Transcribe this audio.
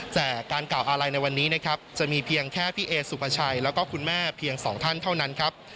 แต่การกล่าวอาลัยในวันนี้นะครับจะมีเพียงแค่พี่เอสุภาชัยแล้วก็คุณแม่เพียงสองท่านเท่านั้นครับ